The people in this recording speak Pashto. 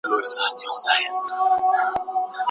دوی به په نوي محيط کي له ډيرو ننګونو سره مخامخ کيږي.